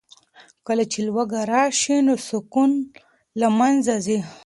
کله چې لوږه راشي نو سکون له منځه ځي.